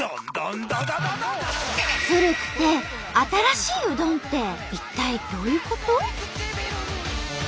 古くて新しいうどんって一体どういうこと？